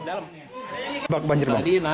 jam empat subuh dari rumah